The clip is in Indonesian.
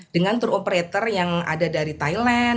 dengan tour operator yang ada dari thailand